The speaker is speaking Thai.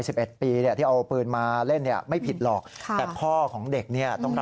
สิบเอ็ดปีเนี่ยที่เอาปืนมาเล่นเนี่ยไม่ผิดหรอกค่ะแต่พ่อของเด็กเนี่ยต้องรับ